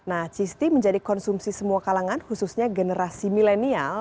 nah cheese tea menjadi konsumsi semua kalangan khususnya generasi milenial